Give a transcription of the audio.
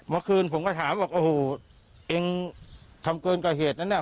เมื่อคืนผมก็ถามบอกโอ้โหเองทำเกินกว่าเหตุนั้นน่ะ